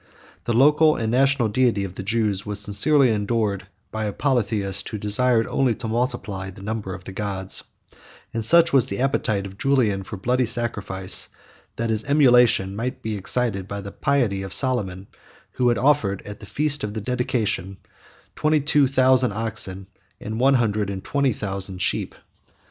72 The local and national deity of the Jews was sincerely adored by a polytheist, who desired only to multiply the number of the gods; 73 and such was the appetite of Julian for bloody sacrifice, that his emulation might be excited by the piety of Solomon, who had offered, at the feast of the dedication, twenty two thousand oxen, and one hundred and twenty thousand sheep.